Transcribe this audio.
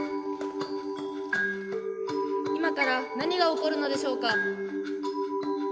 今から何が起こるのでしょうか？